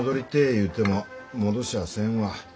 言うても戻しゃあせんわ。